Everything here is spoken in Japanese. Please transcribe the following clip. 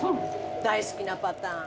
大好きなパターン。